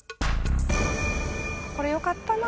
これよかったな